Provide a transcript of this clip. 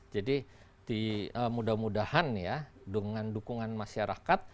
jadi mudah mudahan ya dengan dukungan masyarakat